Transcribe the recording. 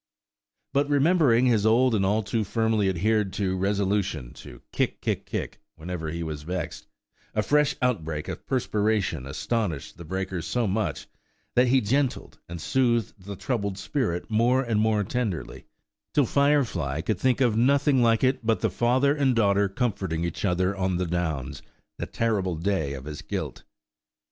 But remembering his old and all too firmly adhered to resolution to kick, kick, kick, whenever he was vexed, a fresh outbreak of perspiration astonished the breaker so much, that he "gentled" and soothed the troubled spirit more and more tenderly, till Firefly could think of nothing like it but the father and daughter comforting each other on the Downs, that terrible day of his guilt.